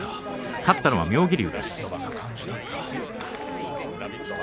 勝ったのは妙義龍。